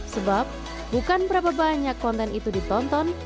sebab bukan berapa banyak konten itu ditonton